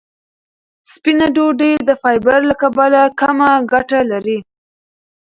سپینه ډوډۍ د فایبر له کبله کمه ګټه لري.